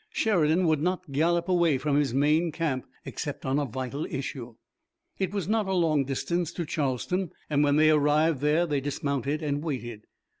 Sheridan would not gallop away from his main camp, except on a vital issue. It was not a long distance to Charlestown, and when they arrived there they dismounted and waited.